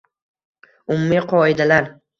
Umumiy qoidalar